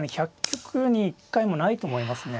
１００局に１回もないと思いますね。